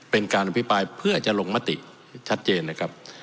เป็นการอภิปรายเพื่อจะลงมติชัดเจนนะครับ